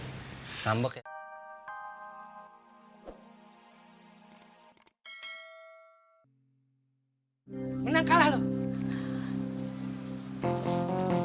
menang kalah lo